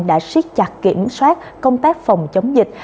đã siết chặt kiểm soát công tác phòng chống dịch